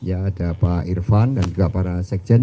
ada pak irvan dan juga para sekjen